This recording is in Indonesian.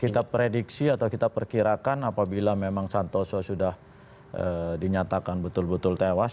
kita prediksi atau kita perkirakan apabila memang santoso sudah dinyatakan betul betul tewas